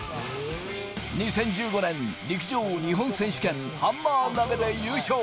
２０１５年、陸上日本選手権・ハンマー投で優勝。